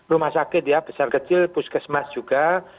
rumah sakit ya besar kecil puskesmas juga